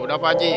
udah pak haji